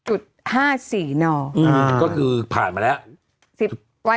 ก็คือผ่านมาแล้ว